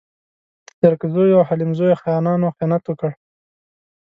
د ترکزیو او حلیمزیو خانانو خیانت وکړ.